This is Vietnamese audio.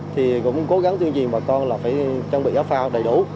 thì cũng cố gắng tuyên truyền bà con là phải chuẩn bị áp phao đầy đủ